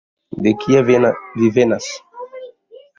De kie vi venas?